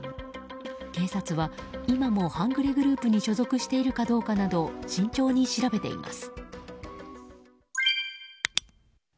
警察は今も半グレグループに所属しているかどうかなど慎重に調べています。